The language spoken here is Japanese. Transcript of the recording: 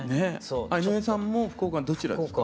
あっ井上さんも福岡のどちらですか？